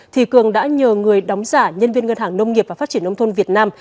thì cường đã nhờ người đóng giả nhân viên ngân hàng nông nghiệp và phát triển nông thôn việt nam